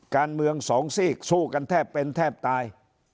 การเมืองสองซีกสู้กันแทบเป็นแทบตาย